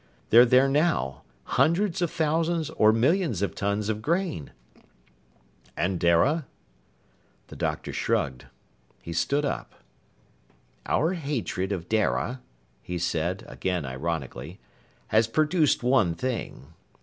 They're there now, hundreds of thousands or millions of tons of grain!" "And Dara?" The doctor shrugged. He stood up. "Our hatred of Dara," he said, again ironically, "has produced one thing.